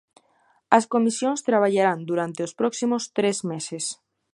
As comisións traballarán durante os próximos tres meses.